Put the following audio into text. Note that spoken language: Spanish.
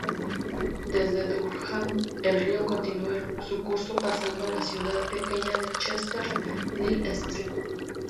Desde Durham el río continua su curso pasando la ciudad pequeño de Chester-le Street.